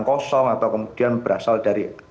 kosong atau kemudian berasal dari